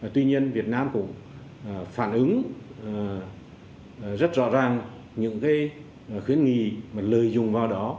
tuy nhiên việt nam cũng phản ứng rất rõ ràng những cái khuyến nghị và lời dùng vào đó